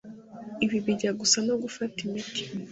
Ibi bijya gusa no gufata imiti